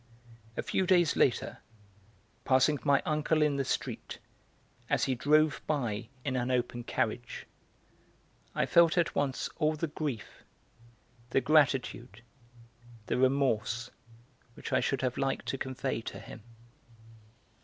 A few days later, passing my uncle in the street as he drove by in an open carriage, Î felt at once all the grief, the gratitude, the remorse which I should have liked to convey to him.